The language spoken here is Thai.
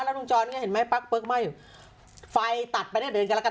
รัฐวงจรเห็นไหมปั๊คเปิกไหม้ไฟตัดไปนี่เดินกระราคา